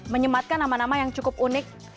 menyematkan nama nama yang cukup unik